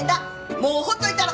もうほっといたろ。